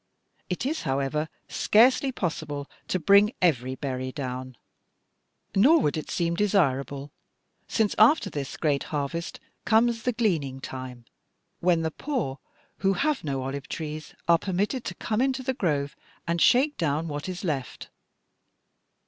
It is, however, scarcely possible to bring every berry down, nor would it seem desirable, since after this great harvest comes the gleaning time, when the poor, who have no olive trees, are permitted to come into the grove and shake down what is left.'"